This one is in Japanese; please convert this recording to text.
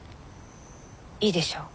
いいでしょ？